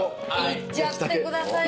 いっちゃってください。